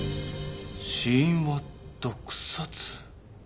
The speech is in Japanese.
死因は毒殺。